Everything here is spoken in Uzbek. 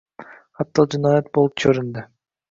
hatto jinoyat bo‘lib ko‘rindi.